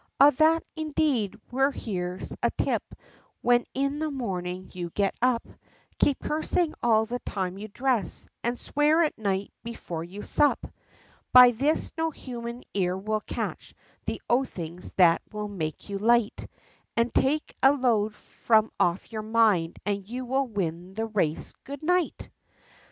"Ah, that, indeed. Well, here's a tip: when in the morning you get up, Keep cursing all the time you dress, and swear at night, before you sup, By this no human ear will catch the oathings that will make you light, And take a load from off your mind, and you will win the race good night."